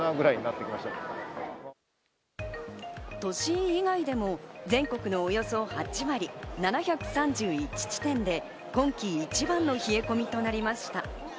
都心以外でも全国のおよそ８割、７３１地点で今季一番の冷え込みとなりました。